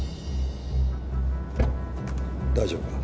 大丈夫か？